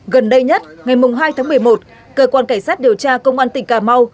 gần đây nhất ngày hai tháng một mươi một cơ quan cảnh sát điều tra công an tỉnh cà mau